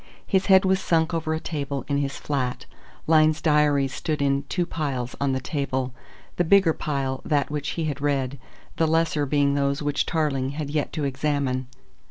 His head was sunk over a table in his flat. Lyne's diaries stood in two piles on the table, the bigger pile that which he had read, the lesser being those which Tarling had yet to examine.